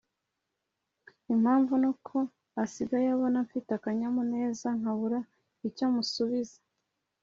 impamvu nuko asigaye abona mfite akanyamuneza nkabura icyo musubiza